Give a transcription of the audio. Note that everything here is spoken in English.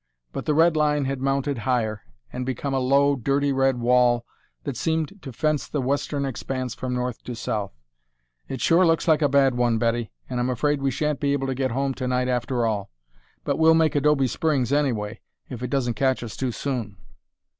But the red line had mounted higher, and become a low, dirty red wall that seemed to fence the western expanse from north to south. "It sure looks like a bad one, Betty, and I'm afraid we shan't be able to get home to night after all. But we'll make Adobe Springs anyway, if it doesn't catch us too soon."